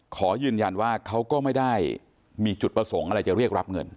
ขอยืนยันว่าเขาก็ไม่ได้มีจุดประสงค์อะไรจะเรียกรับเงิน